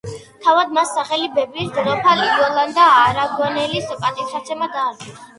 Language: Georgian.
თავად მას, სახელი ბებიის, დედოფალ იოლანდა არაგონელის პატივსაცემად დაარქვეს.